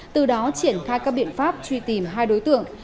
từ đó triển khai các biện pháp truy tìm hai đối tượng